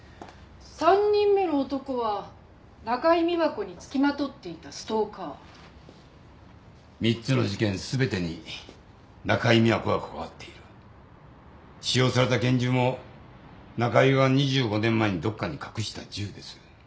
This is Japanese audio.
３人目の男は中井美和子に付きまとっていたストーカー３つの事件すべてに中井美和子が関わっている使用された拳銃も中井が２５年前にどっかに隠した銃です